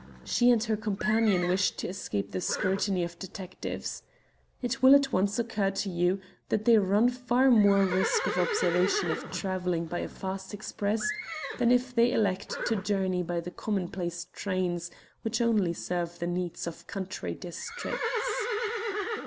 She and her companion wish to escape the scrutiny of detectives. It will at once occur to you that they run far more risk of observation if travelling by a fast express than if they elect to journey by the commonplace trains which only serve the needs of country districts."